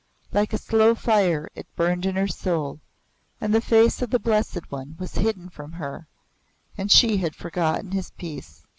Like a slow fire it burned in her soul, and the face of the Blessed One was hidden from her, and she had forgotten His peace.